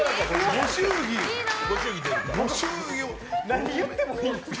何言ってもいいんですか？